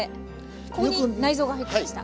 ここに内臓が入ってました。